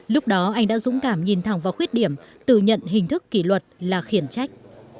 lúc đó anh đã dũng cảm nhìn thẳng vào khuyết điểm từ nhận hình thức kỷ luật là khiển trách